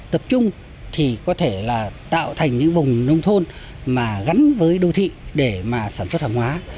tập trung thì có thể là tạo thành những vùng nông thôn mà gắn với đô thị để mà sản xuất hàng hóa